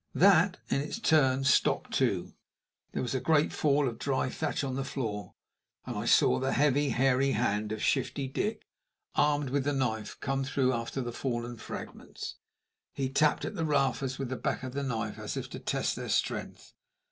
That, in its turn, stopped too; there was a great fall of dry thatch on the floor; and I saw the heavy, hairy hand of Shifty Dick, armed with the knife, come through after the fallen fragments. He tapped at the rafters with the back of the knife, as if to test their strength.